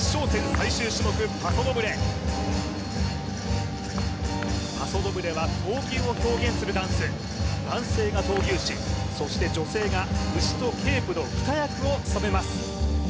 最終種目パソドブレパソドブレは闘牛を表現するダンス男性が闘牛士そして女性が牛とケープの二役を務めます